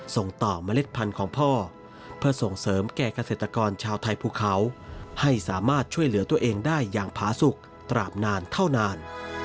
ส่งต่อเมล็ดพันธุ์ของพ่อเพื่อส่งเสริมแก่เกษตรกรชาวไทยภูเขาให้สามารถช่วยเหลือตัวเองได้อย่างผาสุขตราบนานเท่านาน